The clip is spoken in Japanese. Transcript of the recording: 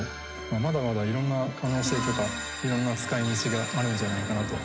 まだまだいろんな可能性とかいろんな使い道があるんじゃないかなと。